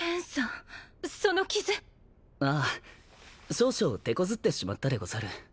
少々てこずってしまったでござる。